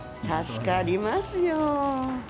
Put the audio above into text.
助かりますよ。